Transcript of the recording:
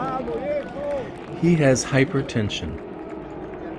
He has hypertension.